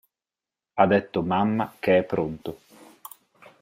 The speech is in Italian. Ha detto mamma che è pronto